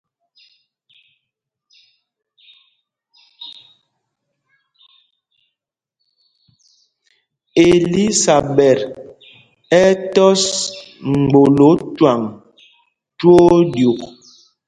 Elisaɓɛt ɛ́ ɛ́ tɔ́s mgbolǒ cwâŋ twóó ɗyûk.